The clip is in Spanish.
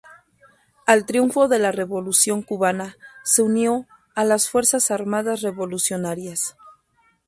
Al triunfo de la Revolución cubana, se unió a las Fuerzas Armadas Revolucionarias.